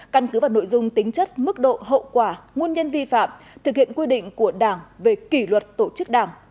căn cứ vào nội dung tính chất mức độ hậu quả nguồn nhân vi phạm thực hiện quy định của đảng về kỷ luật tổ chức đảng